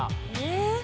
え。